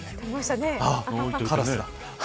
カラスだ。